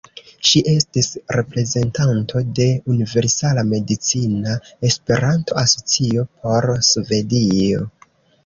Ŝi estis reprezentanto de Universala Medicina Esperanto-Asocio por Svedio.